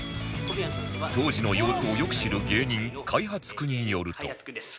当時の様子をよく知る芸人開発くんによると